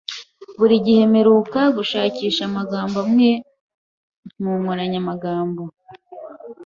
Buri gihe mperuka gushakisha amagambo amwe mu nkoranyamagambo.